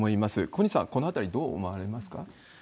小西さん、このあたりどう思われますか？